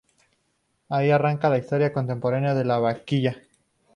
Ahí arranca la historia contemporánea de la Vaquilla.